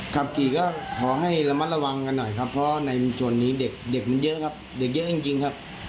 ขับขี่ก็ขอให้ระมัดระวังกันหน่อยครับเพราะในส่วนนี้เด็กมันเยอะครับเด็กเยอะจริงครับ